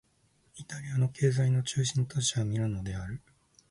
イタリアの経済の中心都市はミラノである